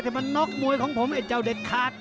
แต่มันน็อกมวยของผมไอ้เจ้าเด็ดขาด